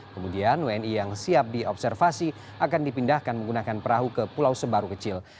kemudian wni yang siap diobservasi akan dipindahkan menggunakan perahu ke pulau sebaru kecil